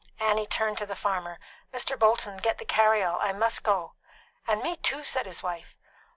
Annie turned to the farmer. "Mr. Bolton, get the carry all. I must go." "And me too," said his wife.